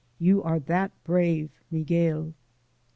You are that brave Miguel.'"